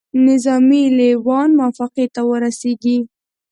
نظامي لېوان موافقې ته ورسیږي.